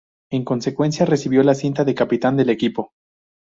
En consecuencia, recibió la cinta de capitán del equipo.